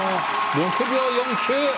６秒４９！